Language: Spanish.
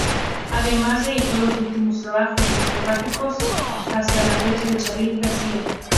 Además editó los últimos trabajos discográficos hasta la fecha de Charly García.